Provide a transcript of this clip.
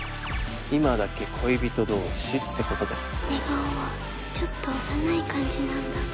今だけ恋人同士ってことで寝顔はちょっと幼い感じなんだ